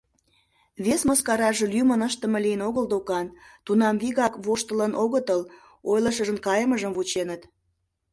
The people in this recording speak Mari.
Вес мыскараже лӱмын ыштыме лийын огыл докан, тунам вигак воштылын огытыл, ойлышыжын кайымыжым вученыт.